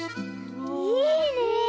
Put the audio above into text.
いいね！